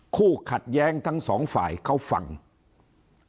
คู่ขัดแย้งทั้งสองฝ่ายเขาฟัง